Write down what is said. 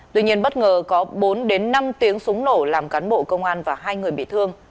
tuy nhiên bất ngờ có bốn đến năm tiếng súng nổ làm cán bộ công an và hai người bị thương